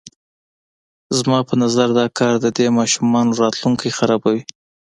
زما په نظر دا کار د دې ماشومانو راتلونکی خرابوي.